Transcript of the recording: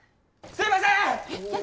すいません！え？